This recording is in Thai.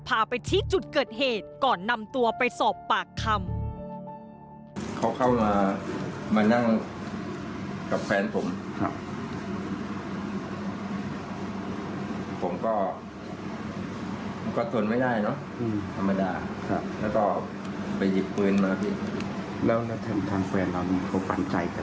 พาไปชี้จุดเกิดเหตุก่อนนำตัวไปสอบปากคำ